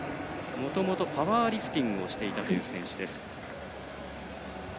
もともとパワーリフティングをしていたという選手です。